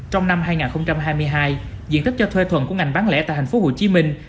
trong năm hai nghìn hai mươi hai diện tích cho thuê thuận của ngành bán lẻ tại thành phố hồ chí minh